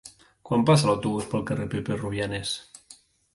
Quan passa l'autobús pel carrer Pepe Rubianes?